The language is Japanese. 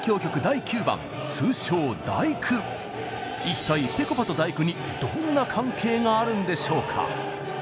一体ぺこぱと「第９」にどんな関係があるんでしょうか？